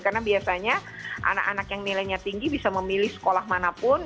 karena biasanya anak anak yang nilainya tinggi bisa memilih sekolah manapun